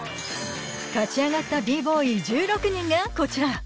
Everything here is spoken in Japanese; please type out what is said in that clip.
勝ち上がったＢ−Ｂｏｙ、１６人がこちら。